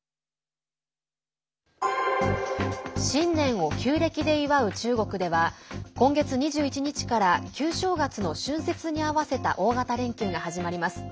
新年を旧暦で祝う中国では今月２１日から旧正月の春節に合わせた大型連休が始まります。